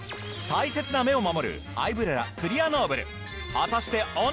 大切な目を守るアイブレラクリアノーブル。